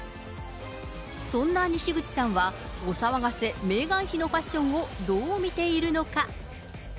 そんなにしぐちさんはお騒がせ、メーガン妃のファッションをどう見ているのか。